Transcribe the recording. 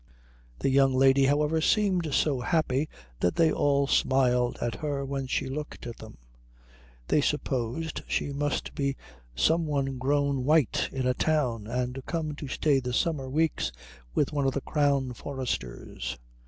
The young lady, however, seemed so happy that they all smiled at her when she looked at them. They supposed she must be some one grown white in a town, and come to stay the summer weeks with one of the Crown foresters.